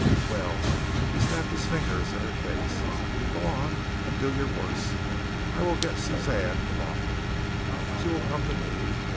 Well," he snapped his fingers in her face, "go on and do your worst. I will get Suzanne in the long run. She will come to me.